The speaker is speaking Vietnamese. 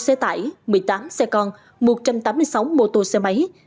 một xe tải một mươi tám xe con một trăm tám mươi sáu mô tô xe máy